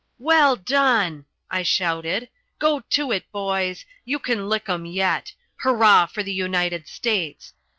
"Well done," I shouted. "Go to it, boys! You can lick 'em yet! Hurrah for the United States.